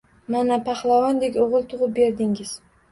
Mana, pahlavondek o`g`il tug`ib berdingiz